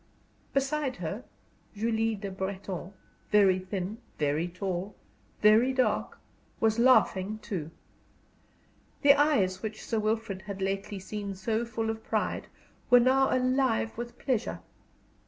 Beside her, Julie Le Breton, very thin, very tall, very dark, was laughing too. The eyes which Sir Wilfrid had lately seen so full of pride were now alive with pleasure.